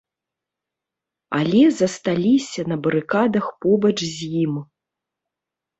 Але засталіся на барыкадах побач з ім.